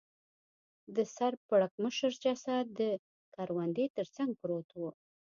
د سر پړکمشر جسد د کروندې تر څنګ پروت و.